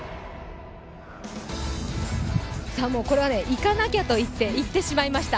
これはいかなきゃといって、いってしまいました。